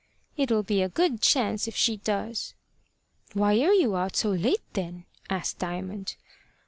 "It'll be a good chance if she does." "Why are you out so late, then?" asked Diamond.